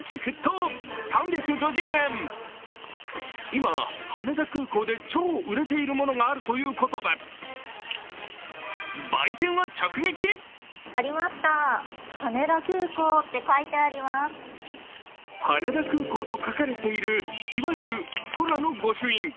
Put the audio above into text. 今、羽田空港で超売れているものがあるということで羽田空港と書かれている、いわゆる空の御朱印。